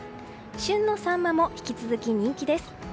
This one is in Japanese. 旬のサンマも引き続き人気です。